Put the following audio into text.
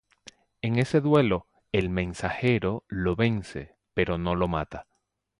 En ese duelo "El mensajero" lo vence, pero no lo mata.